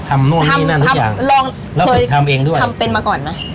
ทำนวงนี่นั่นทุกอย่างลองแล้วถึงทำเองด้วยทำเป็นมาก่อนไหม